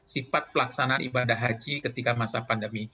sifat pelaksanaan ibadah haji ketika masa pandemi